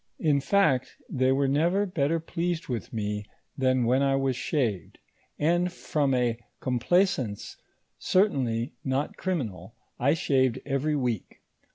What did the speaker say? In fact, they were never bet ter pleased with mo, than when I was shaved ; and from a complaisance certainly not criminal, I shaved every week.